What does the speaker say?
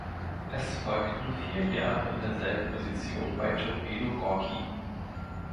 Es folgten vier Jahre in derselben Position bei Torpedo Gorki.